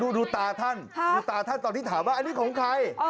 ดูตาท่านดูตาท่านตอนที่ถามว่าอันนี้ของใคร